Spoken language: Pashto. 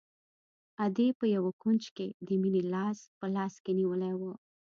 ادې په يوه کونج کښې د مينې لاس په لاس کښې نيولى.